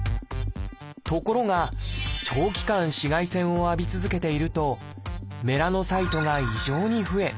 ところが長期間紫外線を浴び続けているとメラノサイトが異常に増え